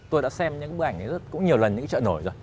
tôi đã xem những bức ảnh này cũng nhiều lần những cái chợ nổi rồi